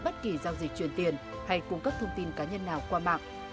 bất kỳ giao dịch truyền tiền hay cung cấp thông tin cá nhân nào qua mạng